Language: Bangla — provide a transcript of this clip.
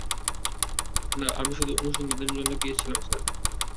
না, আমি শুধু অনুসন্ধানের জন্য গিয়েছিলাম স্যার।